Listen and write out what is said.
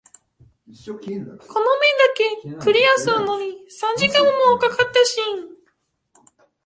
この面だけクリアするのに三時間も掛かった。